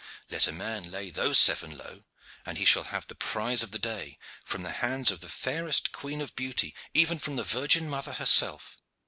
Let a man lay those seven low, and he shall have the prize of the day, from the hands of the fairest queen of beauty, even from the Virgin Mother herself.